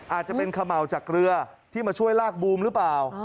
อาจจะเป็นเขม่าจากเรือที่มาช่วยลากบูมหรือเปล่า